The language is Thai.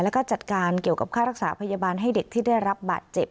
แล้วก็จัดการเกี่ยวกับค่ารักษาพยาบาลให้เด็กที่ได้รับบาดเจ็บ